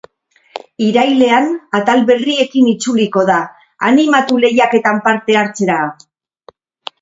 Irailean atal berriekin itzuliko da, animatu lehiaketan parte hartzera!